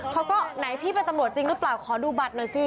เขาก็ไหนพี่เป็นตำรวจจริงหรือเปล่าขอดูบัตรหน่อยสิ